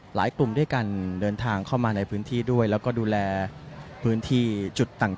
กลุ่มด้วยกันเดินทางเข้ามาในพื้นที่ด้วยแล้วก็ดูแลพื้นที่จุดต่าง